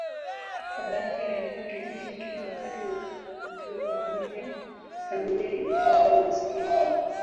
Baba yake alikuwa tajiri, lakini wakati wa utoto wa William, familia ilianza kuwa maskini.